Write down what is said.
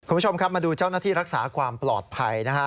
คุณผู้ชมครับมาดูเจ้าหน้าที่รักษาความปลอดภัยนะฮะ